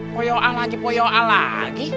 poyok ah lagi poyok ah lagi